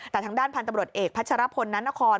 แต่ทางด้านพันธุ์ตำรวจเอกพัชรพลนานคร